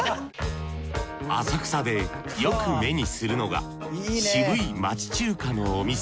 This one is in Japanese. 浅草でよく目にするのが渋い町中華のお店。